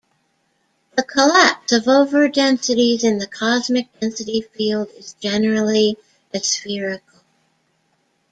The collapse of overdensities in the cosmic density field is generally aspherical.